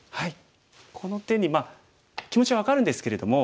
この手にまあ気持ちは分かるんですけれども。